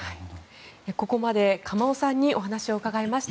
ここまで鎌尾さんにお話を伺いました。